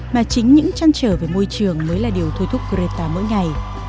mà chính những trăn trở về môi trường mới là điều thôi thúc grita mỗi ngày